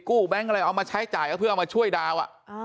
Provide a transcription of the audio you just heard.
แบงค์อะไรเอามาใช้จ่ายก็เพื่อเอามาช่วยดาว